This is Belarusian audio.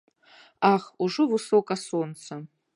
Ах, ужо высока сонца!